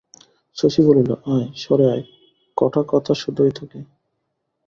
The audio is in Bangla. শশী বলিল, আয়, সরে আয়, কটা কথা শুধোই তোকে।